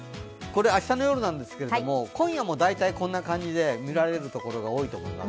明日の夜なんですけど今夜も大体こんな感じで見られるところが多いと思います。